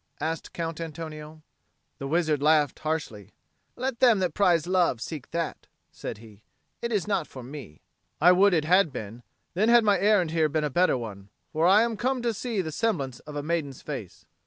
asked Count Antonio. The wizard laughed harshly. "Let them that prize love, seek that," said he. "It is not for me." "I would it had been; then had my errand here been a better one. For I am come to see the semblance of a maiden's face."